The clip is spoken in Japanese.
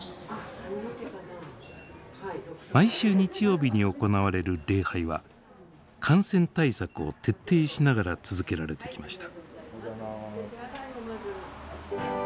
毎週日曜日に行われる礼拝は感染対策を徹底しながら続けられてきました。